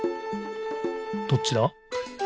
どっちだ？